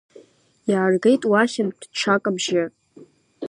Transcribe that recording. Иаргеит уахьынтә ҽак абжьы.